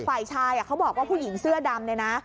ฝ่ายชายเขาบอกว่าผู้หญิงเสื้อดำ